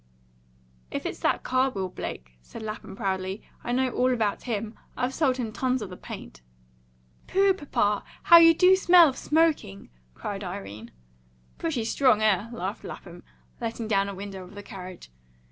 "If it's that car wheel Blake," said Lapham proudly, "I know all about him. I've sold him tons of the paint." "Pooh, papa! How you do smell of smoking!" cried Irene. "Pretty strong, eh?" laughed Lapham, letting down a window of the carriage.